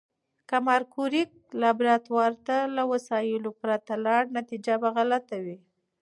که ماري کوري لابراتوار ته له وسایلو پرته لاړه، نتیجه به غلطه وي.